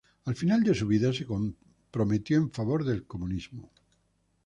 Al final de su vida se comprometió en favor del comunismo.